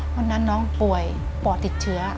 วันนั้นน้องป่วยปอดติดเชื้อ